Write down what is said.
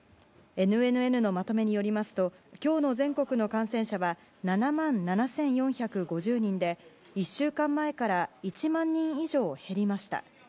ＮＮＮのまとめによりますと今日の全国の感染者は７万７４５０人で１週間前から１万人以上減りました。